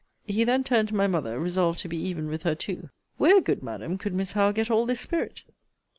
He then turned to my mother, resolved to be even with her too: Where, good Madam, could Miss Howe get all this spirit?